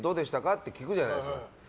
って聞くじゃないですか。